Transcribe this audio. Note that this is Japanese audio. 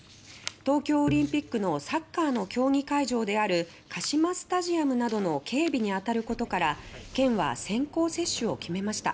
東京オリンピックのサッカーの競技会場であるカシマスタジアムなどの警備にあたることから県は先行接種を決めました。